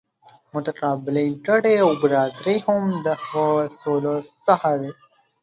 متقابلې ګټې او برابري هم د دغو اصولو څخه دي.